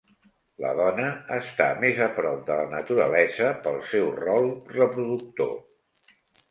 La dona està més a prop de la naturalesa pel seu rol reproductor.